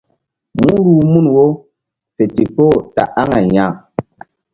Mú ruh mun wo fe ndikpoh ta aŋay ya.